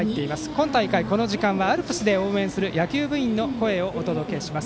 今大会、この時間はアルプスで応援する野球部員の声をお届けします。